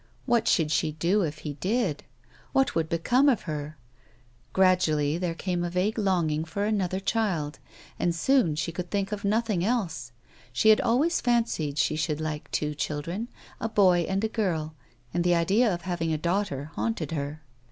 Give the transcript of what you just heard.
What should she do if he did 1 What would become of her ? Gradually there came a vague longing for another child, and soon she could think of nothing else ; she had always fancied she should like two children, a boy and a girl, and the idea of having a daughter haunted her.